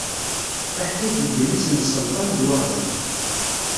Taḥkayt n yelli-s n Selṭan d waɣzen.